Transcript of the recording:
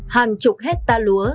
hàng chục hecta lúa